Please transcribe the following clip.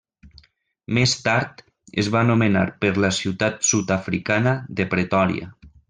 Més tard es va anomenar per la ciutat sud-africana de Pretòria.